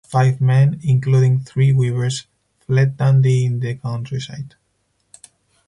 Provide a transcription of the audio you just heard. Five men (including three weavers) fled Dundee into the countryside.